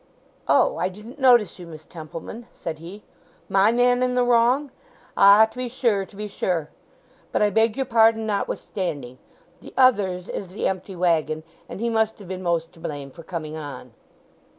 "Oh, I didn't notice you, Miss Templeman," said he. "My man in the wrong? Ah, to be sure; to be sure! But I beg your pardon notwithstanding. The other's is the empty waggon, and he must have been most to blame for coming on."